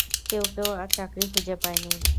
কেউ কেউ আর চাকুরী খুঁজে পায়নি।